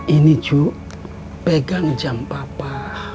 ini cu pegang jam papa